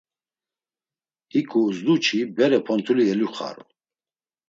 Hiǩu uzdu çi bere pontuli eluxaru.